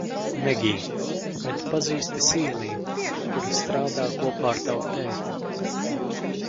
Megij, vai tu pazīsti SīIiju, kura strādā kopā ar tavu tēti?